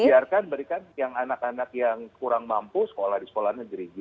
biarkan berikan yang anak anak yang kurang mampu sekolah di sekolah negeri